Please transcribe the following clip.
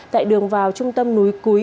tại đường vào trung tâm núi cúi